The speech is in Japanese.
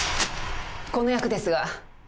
この役ですが